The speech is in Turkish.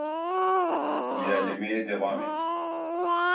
İlerlemeye devam et.